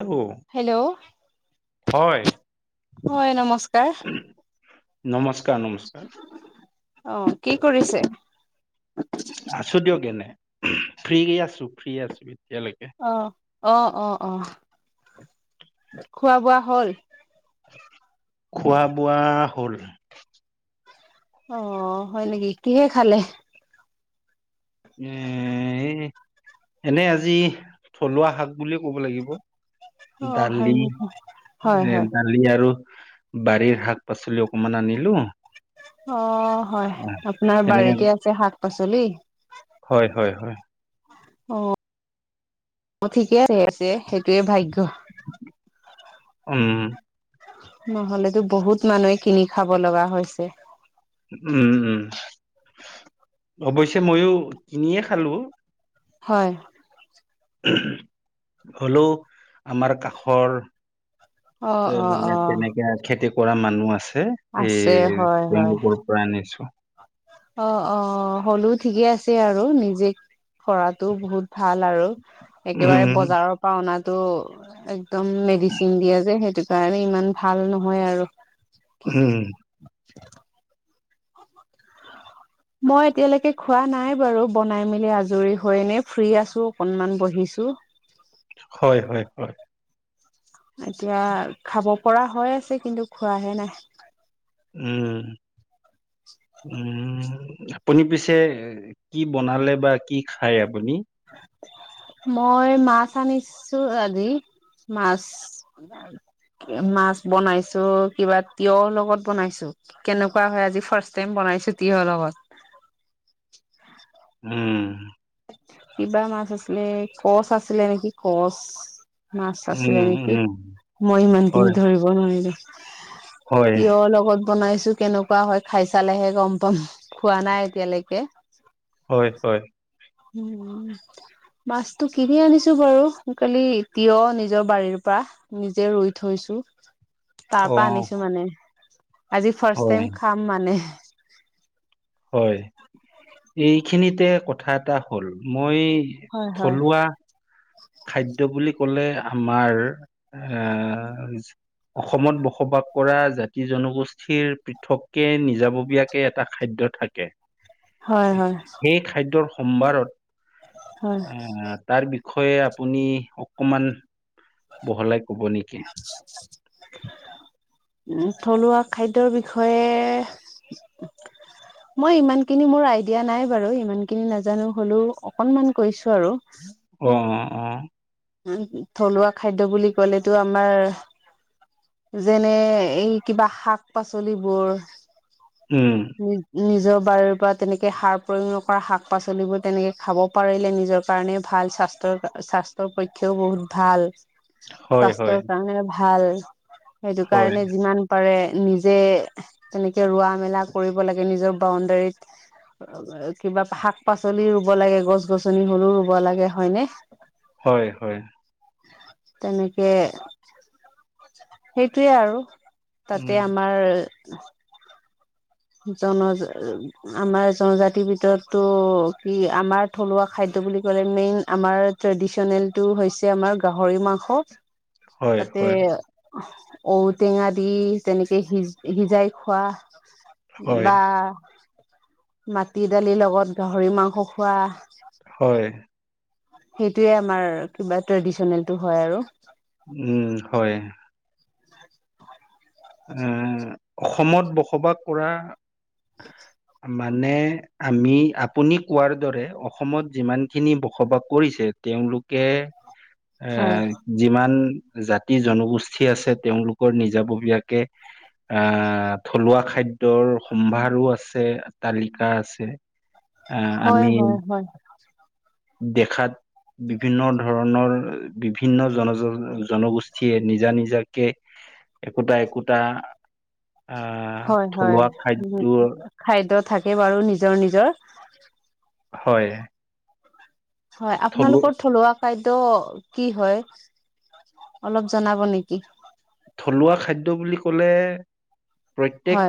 Hello hello হয় হয় নমস্কাৰ। নমস্কাৰ নমস্কাৰ অ কি কৰিছে? আছো দিয়ক এনে ফ্ৰী কি আছো ফ্ৰি আছো। এতিয়ালৈকে আহ অ, অ, অ। খোৱা বোৱা হ'ল? খোৱা বোৱা হ'ল। অ হয় নেকি কিহে খালে? এ এই এনে আজি থলুৱা শাক বুলিয়ে ক'ব লাগিব। অ হয় দালি নেকি হয় এ হয় দালি আৰু বাৰীৰ শাক পাচলি অকমান আনিলো অ হয় অ আপোনাৰ তেনেকে বাৰীতে আছে শাক পাচলি। হয় হয় হয়। অ ঠিকে আছে সেইটোয়ে ভাগ্য উম নহলেতো বহুত মানুহে কিনি খাব লগা হৈছে উম উম অৱশ্যে ময়ো কিনিয়ে খালো হয় হলেও আমাৰ কাষৰ অ অ অ মানে তেনেক খেতি কৰা মানুহ আছে আছে সেই হয় হয় তেওঁলোকৰ পৰা আনিছো। অ অ হ'লেও ঠিকে আছে আৰু নিজে কৰাতো বহুত ভাল আৰু একেবাৰে উম, বজাৰৰ পৰা অনা ত একদম মেডিচিন দিয়া যে সেইটো কাৰণে ইমান ভাল নহয় আৰু উম। [unintelligible] মই এতিয়ালৈকে খোৱা নাই বাৰু বনাই মেলি আজৰি হয় নে ফ্ৰী আছো অকনমান বহিছো। ছো হয় হয় হয়। এতিয়া খাব পৰা হৈ আছে কিন্তু খোৱাহে নাই। উম। উম আপুনি পিছে কি বনালে বা কি খায়? তুমি মই মাছ আনিছো আজি মাছ। মাছ বনাইছো কিবা তিয়ৰ লগত বনাইছো কেনেকুৱা হয় আজি ফাৰ্ষ্ট টাইম বন বনাইছো তিয়হ লগত উম কিবা মাছ আছিলে কচ আছিলে নেকি কচ? মাছ উম, আছিলে নেকি উম, মই ইমান দিন হয়, ধৰিব নোৱাৰিলো। হয়, তিয়ৰ লগত বনাইছো কেনেকুৱা হয় খাই চালেহে গম পাম খোৱা নাই এতিয়ালৈকে। হয় হয়। উ মাছতটো কিনি আনিছো বাৰু কালি তিয়হ নিজৰ বাৰীৰ পৰা। নিজে ৰুই থৈছো তাৰ পৰা অ', আনিছো মানে আজি ফাৰ্ষ্ট হয়, টাইম খাম মানে। হয়। এইখিনিতে কথা এটা হ'ল মই হয় হয় থলুৱা খাদ্য বুলি ক'লে আমাৰ এ অসমত বসবাস কৰা জাতি জনগোষ্ঠীৰ পৃথককে নিজাববীয়াকে এটা খাদ্য থাকে হয় হয় সোমবাৰত হয় আহ তাৰ বিষয়ে আপুনি অকমান বহলাই কব নেকি থলুৱা খাদ্যৰ বিষয়ে মই ইমানখিনি মোৰ আইডিয়া নাই বাৰু ইমানখিনি নাজানো হলেও অকনমান কৈছো আৰু অ অ অ উ থলুৱা খাদ্য বুলি কলেটো আমাৰ যেনে এই কিবা শাক পাচলিবোৰ উম, নি নিজৰ বাৰুৰ পৰা তেনেকে সাৰ প্ৰয়োগ নকৰা শাক পাচলিবোৰ তেনেকে খাব পাৰিলে নিজৰ কাৰণে ভাল স্বাস্থ্য স স্বাস্থ্যৰ পক্ষেও বহুত ভাল হয়, হয়, স্বাস্থ্যৰ কাৰণে ভাল সেইটো হয়, কাৰণে যিমান পাৰে নিজে তেনেকে ৰোৱা মেলা কৰিব লাগে নিজৰ বাউণ্ডাৰীত কিবা শাক পাচলি ৰুব লাগে গছ গছনি হলেও ৰুব লাগে হয়নে হয় হয় তেনেকে সেইটোয়ে আৰু উম, তাতে আমাৰ জনজা আমাৰ জনজাতিৰ ভিতৰতটো কি আমাৰ থলুৱা খাদ্য কলে মেইন আমাৰ ট্ৰেডিচনেলটো হৈছে আমাৰ গাহৰি মাংস হয়, তাতে হয়, ঔ টেঙা দি তেনেকে সিজ সিজাই খোৱা হয়, বা মাটি দালিৰ লগত গাহৰি মাংস খোৱা হয় সেইটোয়ে আমাৰ কিবা ট্ৰেডিচনেলটো হয় আৰু উম হয় আহ অসমত বসবাস কৰা মানে আমি আপুনি কোৱাৰ দৰে অসমত যিমানখিনি বসবাস কৰিছে তেওঁলোকে এ হয় যিমান জাতি জনগোষ্ঠী আছে তেওঁলোকৰ নিজাববীয়াকে কে আহ থলুৱা খাদ্যৰ সম্ভাৰো আছে তালিকা আছে আহ আমি হয় হয় দেখাত বিভিন্ন ধৰণৰ বিভিন্ন জনজ জনগোষ্ঠীয়ে নিজা নিজাকে একোটা একোটা আহ হয় হয় থলুৱা হয় খাদ্যয়ৰ খাদ্য থাকে বাৰু নিজৰ নিজৰ হয় হয় থলু আপোনালোকৰ থলুৱা খাদ্য কি হয় অলপ জনাব নেকি থলুৱা খাদ্য বুলি ক'লে হয় প্ৰত্যেক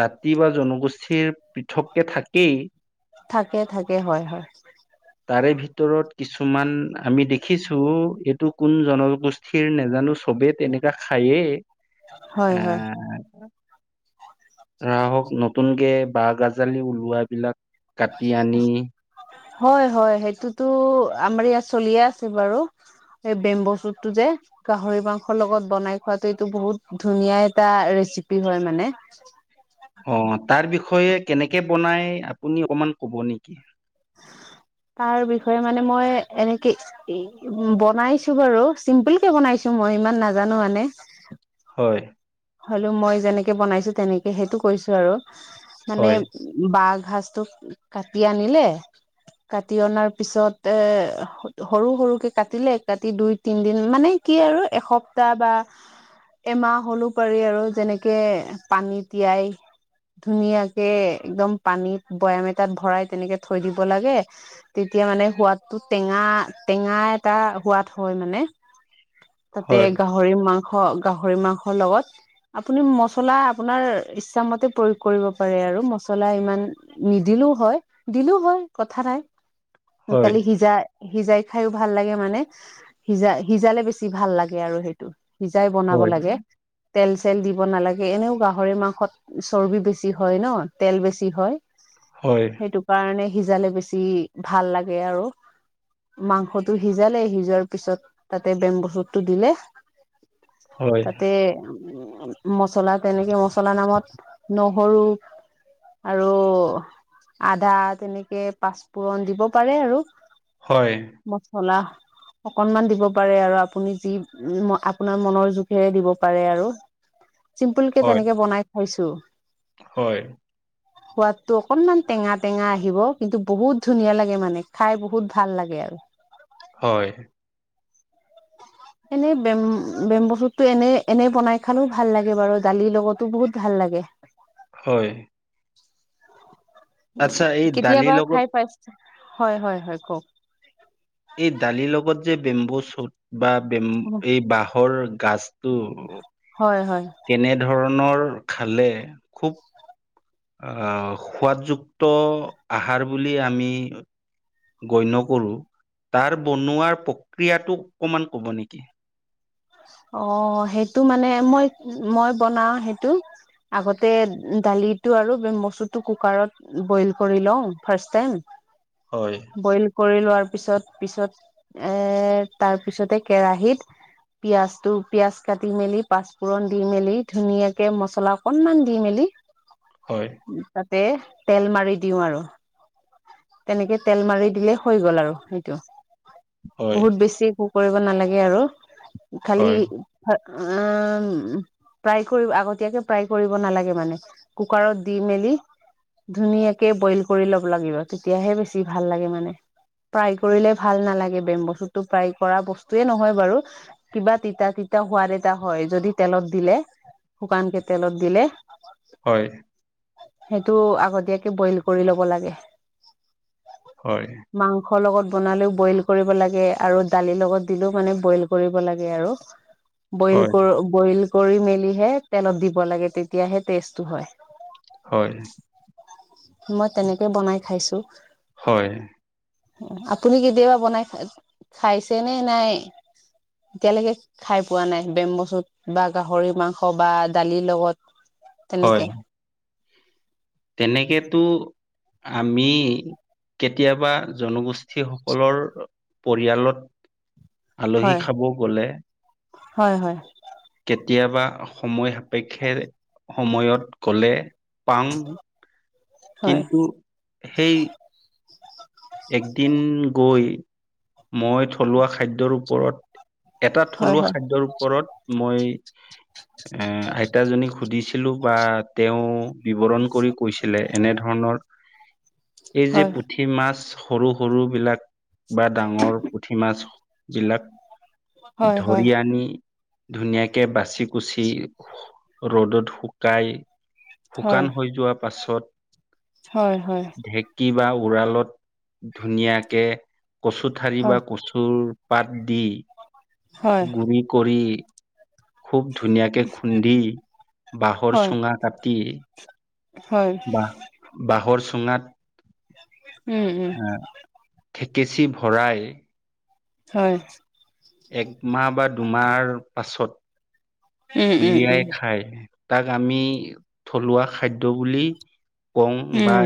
জাতি বা জনগোষ্ঠীৰ পৃথককে থাকেই থাকে থাকে হয় হয় তাৰে ভিতৰত কিছুমান আমি দেখিছোঁ এইটো কোন জনগোষ্ঠীৰ নাজানো চবেই তেনেকা খায়েই হয় হয় আহ ৰাহক নতুনকে বাঁহ গাজালি ওলোৱাবিলাক হয় হয় সেইটোতো আমাৰ ইয়াত চলিয়ে আছে বাৰু এই বেম্ব চুটটো যে গাহৰি মাংসৰ লগত বনাই খোৱাটো এইটো বহুত ধুনীয়া এটা ৰেচিপ- চিপি হয় মানে অ তাৰ বিষয়ে কেনেকে বনাই আপুনি অকমান কব নেকি? হয়। তাৰ বিষয়ে মানে মই এনেকে বনাইছো বাৰু চিম্পুল কে বনাইছো। মই ইমান নাজানো মানে হয় হলো মই যেনেকে বনাইছো তেনেকে সেইটো কৈছো আৰু মানে হয় বাঘ ভাজটো কাটি আনিলে কাটি অনাৰ পিছত এ সৰু সৰুকে কাটিলে কাটি দুই তিনদিন মানে কি আৰু এসপ্তাহ বা এমাহ হলেও। পাৰি আৰু যেনেকে পানী তিয়াই ধুনীয়াকে একদম পানীত বৈয়াম এটাত ভৰাই তেনেকে থৈ দিব লাগে তে এতিয়া মানে সোৱাদটো টেঙা টেঙা এটা সোৱাদ হয় মানে। তাতে হয় গাহৰি মাংস গাহৰি মাংসৰ লগত আপুনি মছলা আপোনাৰ ইচ্ছামতে প্ৰয়োগ কৰিব পাৰে আৰু মছলা ইমান নিদিলেও হয় দিলেও হয় কথা নাই হয় কালি সিজা সিজাই খাইয়ো ভাল লাগে মানে সিজা সিজালে বেছি ভাল লাগে আৰু সেইটো সিজাই বনাব হয় লাগে তেল চেল দিব নালাগে এনেও গাহৰি মাংসত চৰ্বি বেছি হয় ন তেল বেছি হয় হয় সেইটো কাৰণে সিজালে বেছি ভাল লাগে আৰু। মাংসটো সিজালে সিজোৱাৰ পিছত তাতে বেম্বো ছোটটো দিলে হয় তাতে উ মচলা তেনেকে মচলা নামত নহৰু। আৰু আদা তেনেকে পাঁচফোৰণ দিব পাৰে আৰু হয় মচলা অকনমান দিব পাৰে আৰু আপুনি যি আপোনাৰ মনৰ জুখেৰে দিব পাৰে আৰু চিম্পুল কে হয় তেনেকে বনাই খাইছো হয় সোৱাদটো অকনমান টেঙা টেঙা আহিব কিন্তু বহুত ধুনীয়া লাগে মানে খাই বহুত ভাল লাগে। [unintelligible] হয় এনেই বেম বেম্ব ছোটটো এনেই এনেই বনাই খানো ভাল লাগে বাৰু দালিৰ লগতো বহুত ভাল লাগে হয় আচ্ছা এই দালিৰ কেতিয়াবা লগত খাই পাইছ হয় হয় হয় কওঁক এই দালিৰ লগত যে বেম্বু চুট বা বেম এই বাহ‍ঁৰ গাজটো হয় হয় তেনেধৰণৰ খালে খুব আ সোৱাদযুক্ত আহাৰ বুলি আমি গণ্য কৰোঁ তাৰ বনোৱাৰ প্ৰক্ৰিয়াটো অকমান কব নেকি? অ সেইটো মানে মই মই বনাওঁ সেইটো। আগতে দালিটো আৰু মচুটো কুকাৰত বইল কৰি লওঁ ফাৰ্ষ্ট টাইম। হয় বইল কৰি লোৱাৰ পিছত পিছত এ তাৰ পিছতে কেৰাহিত পিয়াজটো পিয়াজ কাটি মেলি পাঁচফোৰণ দি মেলি ধুনীয়াকে মচলা অকনমান দি মেলি হয় তাতে তেল মাৰি দিওঁ আৰু। তেনেকে তেল মাৰি দিলে হৈ গ'ল আৰু সেইটো। হয় বহুত বেছি একো কৰিব নালাগে আৰু খালি হয় উম ফ্ৰাই কৰি আগতীয়াকে ফ্ৰাই কৰিব নালাগে মানে কুকাৰত দি মেলি ধুনীয়াকে বইল কৰি ল'ব লাগিব তেতিয়াহে বেছি ভাল লাগে মানে ফ্ৰাই কৰিলে ভাল নালাগে বেম ছোটটো ফ্ৰাই কৰা বস্তুয়ে নহয় বাৰু কিবা তিতা তিতা হোৱাৰ এটা হয় যদি তেলত দিলে শুকানকে তেলত দিলে হয় সেইটো আগতীয়াকে বইল কৰি ল'ব লাগে মাংসৰ লগত বনালেও বইল কৰিব লাগে আৰু দালিৰ লগত দিলেও মানে বইল কৰিব লাগে আৰু। বইল কৰ বইল কৰি মেলিহে তেলত দিব লাগে তেতিয়াহে টেষ্টটো হয় হয় মই তেনেকৈ বনাই খাইছো। হয় আপুনি কেতিয়াবা বনাইাই খাইছে নে নাই এতিয়ালৈকে খাই পোৱা নাই বেম চুত বা গাহৰি মাংস বা দালিৰ লগত তেনেকে হয়। তেনেকেতো আমি কেতিয়াবা জনগোষ্ঠী সকলৰ পৰিয়ালত। আলহী হয় খাব গলে হয় হয় কেতিয়াবা সময় সাপেক্ষে সময়ত গলে পাওঁ হয় কিন্তু সেই একদিন গৈ মই থলুৱা খাদ্যৰ ওপৰত এটা হয় থলুৱা হয় খাদ্যৰ ওপৰত মই এ আইতাজনী সুধিছিলো বা তেওঁ বিৱৰণ কৰি কৈছিলে এনেধৰণৰ এই যে হয় পুঠি মাছ সৰু সৰু বিলাক বা ডাঙৰ পুঠি মাছ বিলাক হয় ধৰি হয় আনি ধুনীয়াকে বাচি কুচি ৰ'দত শুকাই হয় শুকান হৈ যোৱা পাছত। হয় হয় ঢেঁকী বা উৰালত ধুনীয়াকে কচু ঠাৰি বা কচুৰ পাত দি হয় গুৰি কৰি খুব ধুনীয়াকে খুন্দি বাঁহৰ হয় চুঙা কাটি হয় ব বাঁহৰ চুঙাত উম উম কেঁচি ভৰাই হয় একমাহ বা দুমাহ পাছত উম উম উলিয়াই উম খায় তাক আমি থলুৱা খাদ্য বুলি কওঁ বা উম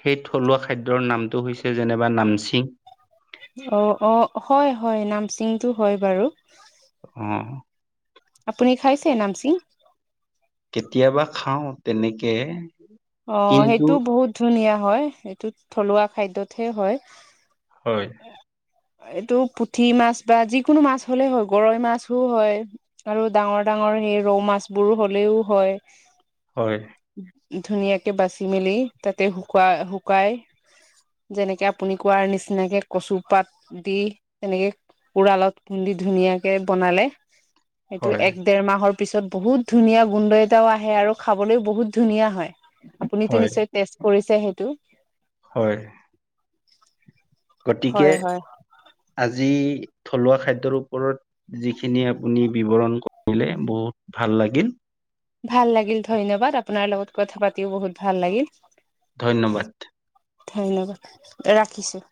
সেই থলুৱা খাদ্যাৰ নামটো হৈছে যেনিবা নামচি। অ অ হয় হয় নামচিংটো হয় বাৰু অ আপুনি খাইছে নামচিং কেতিয়াবা খাওঁ তেনেকে অ কিন্তু সেইটো বহুত ধুনীয়া হয় সেইটো থলুৱা খাদ্যাতহে হয়। হয় এইটো পুঠি মাছ বা যিকোনো মাছ হ'লে হয় গৰৈ মাছো হয় আৰু ডাঙৰ ডাঙ ডাঙৰ সেই ৰৌ মাছ বোৰ হ'লেও হয়। হয়। ধুনীয়াকে বাচি মেলি তাতে শুকাই শুকাই যেনেকে আপুনি কোৱাৰ নিচিনাকে কচু পাত দি তেনেকে উৰালত খুন্দি ধুনীয়াকে বনালে সেইটো হয় এক দেৰ মাহৰ তাৰ পিছত বহুত ধুনীয়া গোন্ধ এটাও আহে আৰু খাবলৈও বহুত ধুনীয়া হয়। আপুনটো হয় নিশ্চয় টেষ্ট কৰিছে সেইটো। হয় গতিকে হয় হয় আজি থলুৱা খাদ্যৰ ওপৰত যিখিনি আপুনি বিৱৰণ কৰিলে বহুত ভাল লাগিল। ভাল লাগিল ধন্যবাদ আপোনাৰ লগত কথা পাতিও বহুত ভাল লাগিল। ধন্যবাদ। ধন্যবাদ ৰাখিছো।